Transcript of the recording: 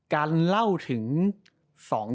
การเล่าถึง